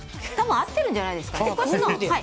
多分、合ってるんじゃないですかね。